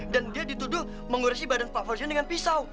dan dia dituduh mengurusi badan pak fauzan dengan pisau